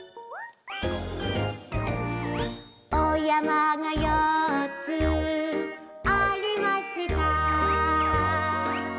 「お山が４つありました」